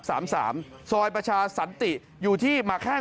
ซอยประชาสันติอยู่ที่หมาแข้ง